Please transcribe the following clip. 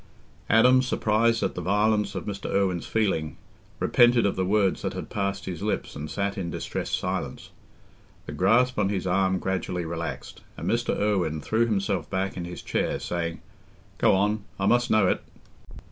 Adam, surprised at the violence of Mr. Irwine's feeling, repented of the words that had passed his lips and sat in distressed silence. The grasp on his arm gradually relaxed, and Mr. Irwine threw himself back in his chair, saying, "Go on—I must know it."